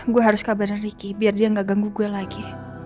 gue harus kabarin ricky biar dia nggak ganggu gue lagi